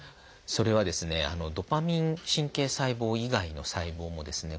それはですねドパミン神経細胞以外の細胞もですね